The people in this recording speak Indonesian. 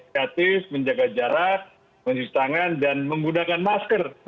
kreatif menjaga jarak mencuci tangan dan menggunakan masker